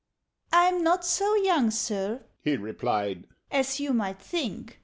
"I'm not so young, Sir," he replied, "As you might think.